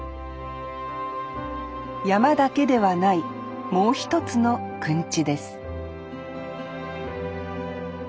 曳山だけではないもう一つのくんちです